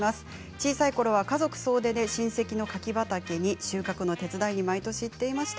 小さいころは家族総出で親戚の柿畑に収穫の手伝いに毎年行っていました。